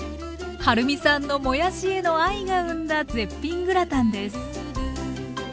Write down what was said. はるみさんのもやしへの愛が生んだ絶品グラタンです。